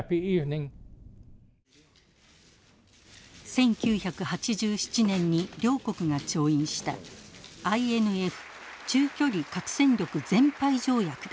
１９８７年に両国が調印したＩＮＦ中距離核戦力全廃条約です。